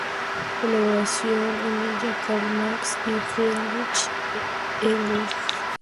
Colaboraron en ella Karl Marx y Friedrich Engels.